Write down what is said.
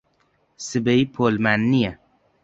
سبەی پۆلمان نییە.